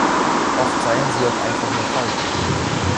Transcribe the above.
Oft seien sie auch einfach nur falsch.